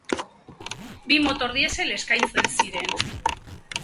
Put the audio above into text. Bi motor diesel eskaintzen ziren.